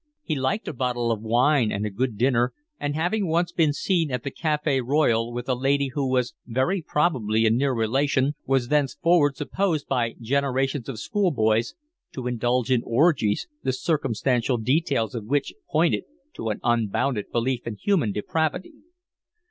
He liked a bottle of wine and a good dinner, and having once been seen at the Cafe Royal with a lady who was very probably a near relation, was thenceforward supposed by generations of schoolboys to indulge in orgies the circumstantial details of which pointed to an unbounded belief in human depravity.